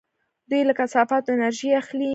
دوی له کثافاتو انرژي اخلي.